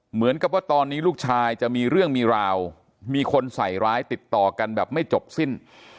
เหมือนกับว่าตอนนี้ลูกชายจะมีเรื่องมีราวมีคนใส่ร้ายติดต่อกันแบบไม่จบสิ้น